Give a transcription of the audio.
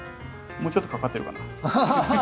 もうちょっとかかってるかな？